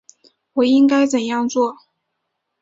我应该怎样做？